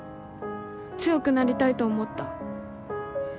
強くなりたいと思った。